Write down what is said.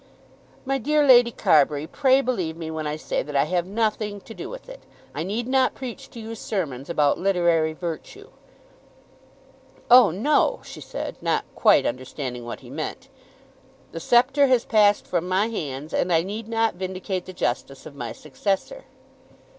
"My dear Lady Carbury, pray believe me when I say that I have nothing to do with it. I need not preach to you sermons about literary virtue." "Oh, no," she said, not quite understanding what he meant. "The sceptre has passed from my hands, and I need not vindicate the justice of my successor."